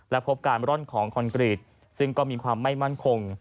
และพบการร่อนของคอนกรีตซึ่งก็มีความไม่มั่นคง